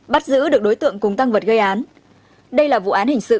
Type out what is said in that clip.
bắt giữ được đối tượng cùng tăng vật gây án